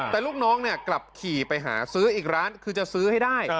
แต่ลูกน้องกลับขี่ไปหาซื้ออีกร้านคือจะซื้อให้ได้